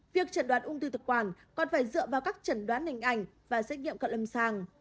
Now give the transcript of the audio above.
việc chẩn đoán ung thư thực quản còn phải dựa vào các chẩn đoán hình ảnh và xét nghiệm cận lâm sàng